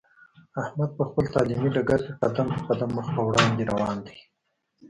احمد په خپل تعلیمي ډګر کې قدم په قدم مخ په وړاندې روان دی.